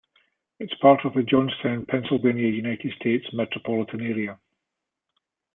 It is part of the Johnstown, Pennsylvania United States metropolitan area.